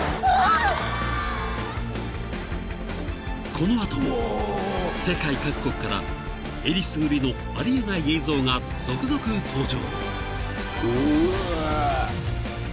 ［この後も世界各国からえりすぐりのありえない映像が続々登場］